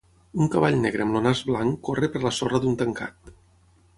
Un cavall negre amb el nas blanc corre per la sorra d'un tancat.